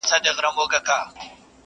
پل چي یې د ده پر پلونو ایښی دی ښاغلی دی٫